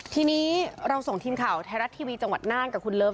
ทีนี้เราส่งทีมข่าวไทยรัฐทีวีจังหวัดน่านกับคุณเลิฟ